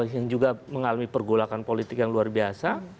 yang juga mengalami pergolakan politik yang luar biasa